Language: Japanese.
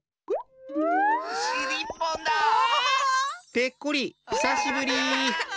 ペッコリひさしぶり。